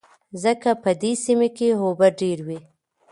ځکه په دې سيمه کې اوبه ډېر وې.